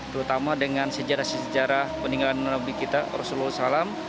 terutama dengan sejarah sejarah peninggalan nabi kita rasulullah saw